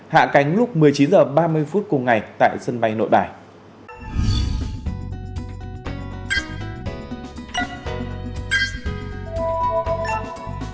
hạ cánh lúc một mươi chín h ba mươi phút ngày hai mươi bốn tháng ba tại dân bay suvarnabhumi